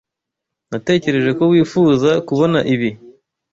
Natekereje ko wifuza kubona ibi.